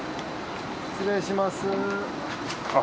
失礼します。